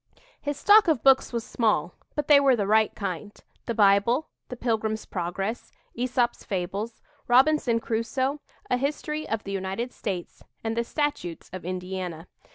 His stock of books was small, but they were the right kind the Bible, "The Pilgrim's Progress," Æsop's Fables, "Robinson Crusoe," a history of the United States, and the Statutes of Indiana.